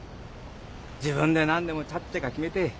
自分で何でもちゃっちゃか決めて。